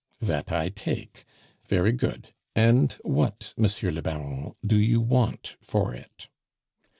"That I take. Very good; and what, Monsieur le Baron, do you want for it?"